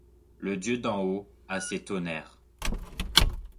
Le Dieu d'en haut a ses tonnerres